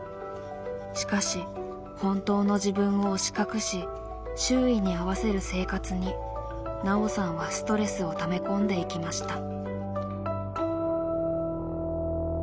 しかし本当の自分を押し隠し周囲に合わせる生活にナオさんはストレスをため込んでいきました。